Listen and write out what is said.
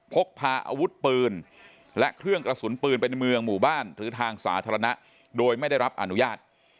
พกพาอาวุธปืนและเครื่องกระสุนปืนไปในเมืองหมู่บ้านหรือทางสาธารณะโดยไม่ได้รับอนุญาต